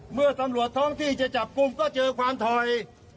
เมื่อตำรวจท้องที่จะจับกลุ่มก็เจอความถอย